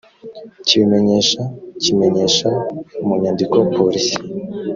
kibimenyesha kimenyesha mu nyandiko polisi